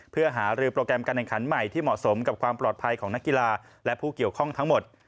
เพื่อหารือโปรแกรมการแข่งขันใหม่ที่เหมาะสมกับความปลอดภัยของนักกีฬาและผู้เกี่ยวข้องทั้งหมด